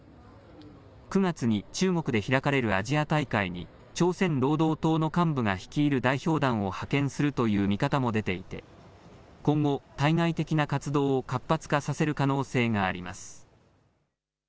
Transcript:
９月に中国で開かれるアジア大会に朝鮮労働党の幹部が率いる代表団を派遣するという見方も出ていて今後、対外的な活動を活発化させる可能性があります。